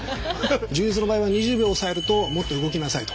柔術の場合は２０秒抑えるともっと動きなさいと。